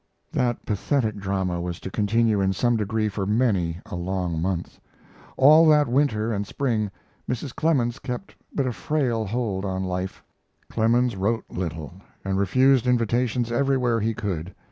That pathetic drama was to continue in some degree for many a long month. All that winter and spring Mrs. Clemens kept but a frail hold on life. Clemens wrote little, and refused invitations everywhere he could.